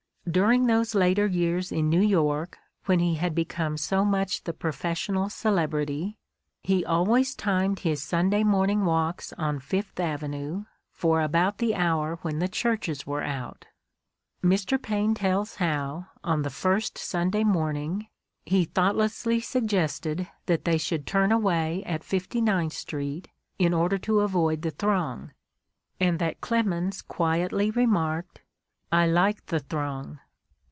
During those later years in New York, when he had Hecome so much the professional celebrity, he always timed his Sunday morn ing walks on Fifth Avenue for about the hour when the churches were out. Mr. Paine tells how, on the first Sunday morning, he thoughtlessly suggested that they should turn away at Fifty ninth Street in order to avoid the throng and that Clemens quietly remarked, "I like the throng."